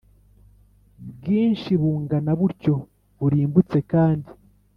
Bwinshi bungana butyo burimbutse kandi